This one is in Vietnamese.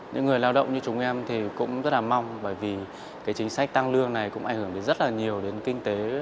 những người lao động như chúng em thì cũng rất là mong bởi vì cái chính sách tăng lương này cũng ảnh hưởng đến rất là nhiều đến kinh tế